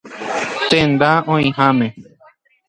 Tenda oĩháme.